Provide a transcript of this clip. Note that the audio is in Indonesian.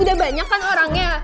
udah banyak kan orangnya